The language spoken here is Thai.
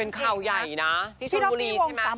เป็นข่าวใหญ่นะที่ชนบุรีใช่ไหม